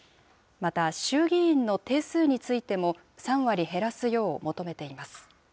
また、衆議院の定数についても、３割減らすよう求めています。